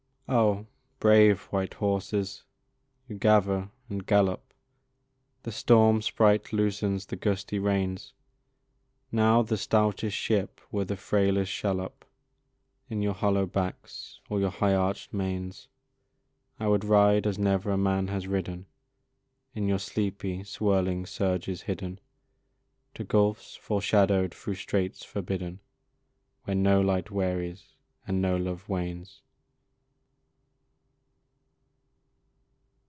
Oh! brave white horses! you gather and gallop, The storm sprite loosens the gusty reins; Now the stoutest ship were the frailest shallop In your hollow backs, or your high arch'd manes. I would ride as never a man has ridden In your sleepy, swirling surges hidden, To gulfs foreshadow'd through straits forbidden, Where no light wearies and no love wanes.